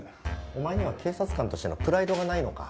お前には警察官としてのプライドがないのか？